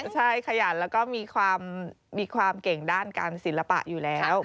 ใช่ขยันแล้วก็มีความเก่งด้านการศิลปะอยู่แล้ว